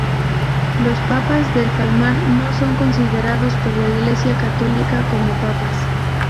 Los papas del Palmar no son considerados por la Iglesia católica como papas.